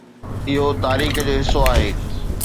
اهو تاريخ جو حصو آهي